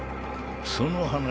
・その話